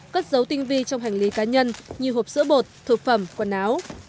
cất dấu tinh vi trong hành lý cá nhân như hộp sữa bột thực phẩm quần áo